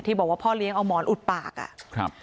บอกว่าพ่อเลี้ยงเอาหมอนอุดปากอ่ะครับ